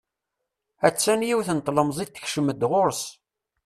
A-tt-an yiwet n tlemẓit tekcem-d ɣur-s.